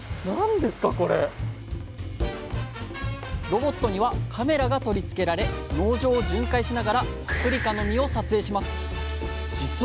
ロボットにはカメラが取り付けられ農場を巡回しながらパプリカの実を撮影します。